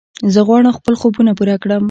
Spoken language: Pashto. زه غواړم خپل خوبونه پوره کړم.